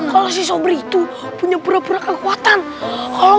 kalau si sobr itu punya pura pura yang bisa menjaga kekuatan sakti